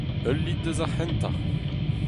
Ul lid eus ar c'hentañ.